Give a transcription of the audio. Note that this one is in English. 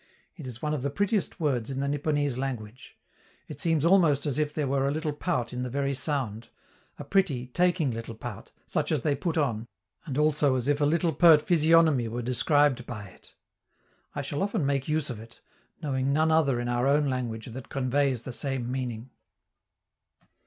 It is one of the prettiest words in the Nipponese language; it seems almost as if there were a little pout in the very sound a pretty, taking little pout, such as they put on, and also as if a little pert physiognomy were described by it. I shall often make use of it, knowing none other in our own language that conveys the same meaning.